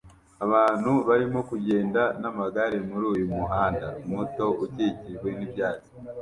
Abantu barimo kugenda n'amagare muri uyu muhanda muto ukikijwe n'ibyatsi